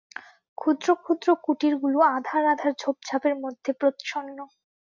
ক্ষুদ্র ক্ষুদ্র কুটিরগুলি আঁধার আঁধার ঝোপঝাপের মধ্যে প্রচ্ছন্ন।